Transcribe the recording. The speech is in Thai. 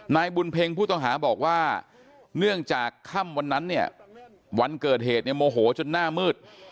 นายบุญเพ็งผู้ต้องหาบอกว่าเนื่องจากค่ำวันนั้นเนี่ยวันเกิดเหตุเนี่ยโมโหจนหน้ามืด